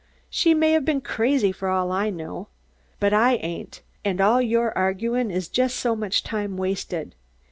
She may have been crazy for all I know. But I ain't, and all your arguin' is just so much time wasted.